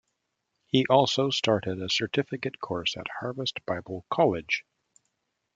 He also started a certificate course at Harvest Bible College.